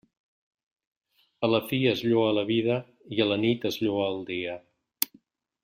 A la fi es lloa la vida, i a la nit es lloa el dia.